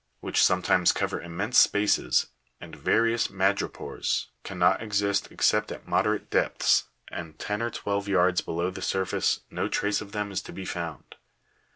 222), which sometimes cover immense spaces, and various madrepores (Jig 223), cannot exist except at moderate depths, and ten or twelve yards below the surface no trace of them is to be found.